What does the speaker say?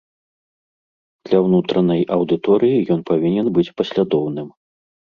Для ўнутранай аўдыторыі ён павінен быць паслядоўным.